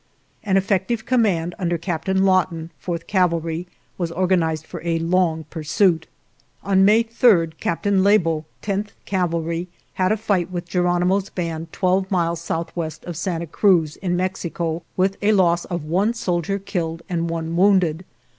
"An effective command, under Captain 163 GERONIMO Lawton, Fourth Cavalry, was organized for a long pursuit. " On May 3 Captain Lebo, Tenth Cav alry, had a fight with Geronimo's band 12 miles southwest of Santa Cruz, in Mexico, with a loss of one soldier killed and one wounded.